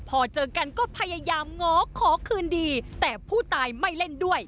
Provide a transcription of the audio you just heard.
พอเจอกันก็พยายามง้อขอคืนดีแต่ผู้ตายไม่เล่นด้วย